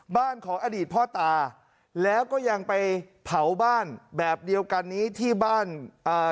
บ้านของอดีตพ่อตาแล้วก็ยังไปเผาบ้านแบบเดียวกันนี้ที่บ้านอ่า